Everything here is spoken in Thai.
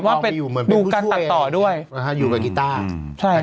เหมือนเป็นผู้ช่วยดูการตัดต่อด้วยนะคะอยู่กับกีต้าอืมใช่ครับ